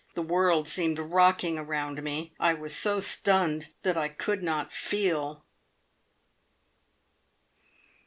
The world seemed rocking around me. I was so stunned that I could not feel!